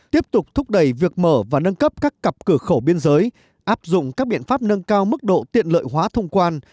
tiếp tục thúc đẩy việc mở và nâng cấp các cặp cửa khẩu biên giới áp dụng các biện pháp nâng cao mức độ tiện lợi hóa thông quan